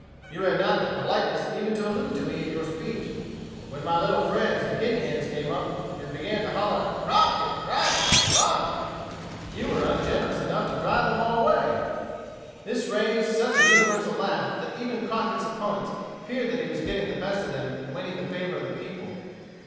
You had not the politeness even to allude to me in your speech. But when my little friends the guinea hens came up, and began to holler 'Crockett, Crockett, Crockett,' you were ungenerous enough to drive them all away." This raised such a universal laugh that even Crockett's opponents feared that he was getting the best of them in winning the favor of the people.